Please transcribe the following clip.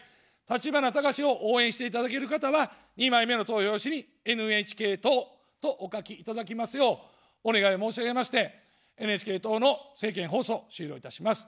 立花孝志を応援していただける方は、２枚目の投票用紙にＮＨＫ党とお書きいただきますようお願いを申し上げまして、ＮＨＫ党の政見放送を終了いたします。